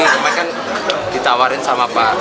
cuma kan ditawarin sama pak